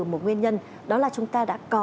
một nguyên nhân đó là chúng ta đã có